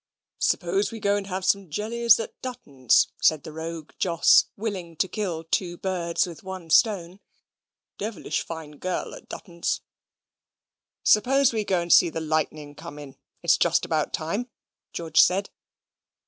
"Suppose we go and have some jellies at Dutton's," and the rogue Jos, willing to kill two birds with one stone. "Devilish fine gal at Dutton's." "Suppose we go and see the Lightning come in, it's just about time?" George said.